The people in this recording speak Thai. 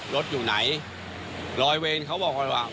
รถอยู่ไหนร้อยเวรเขาบอกก่อนว่า